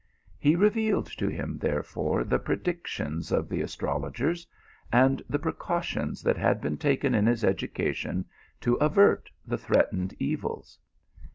He revealed to him, therefore, the predictions of the astrologers, and the precautions that had been taken in his education to avert the threatened evils.